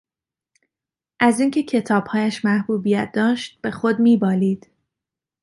از این که کتابهایش محبوبیت داشت به خود میبالید